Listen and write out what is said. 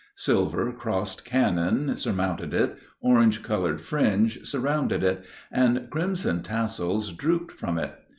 Silver crossed cannon surmounted it, orange colored fringe surrounded it, and crimson tassels drooped from it.